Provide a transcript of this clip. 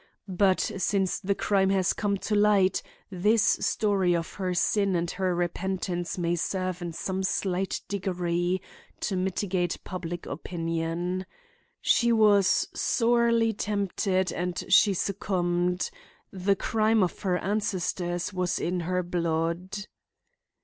But since the crime has come to light, this story of her sin and her repentance may serve in some slight degree to mitigate public opinion. She was sorely tempted and she succumbed; the crime of her ancestors was in her blood."